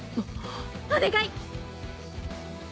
お願い！